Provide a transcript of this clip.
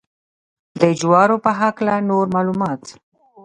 د جوارو په هکله نور معلومات.